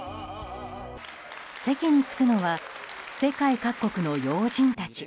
席に着くのは世界各国の要人たち。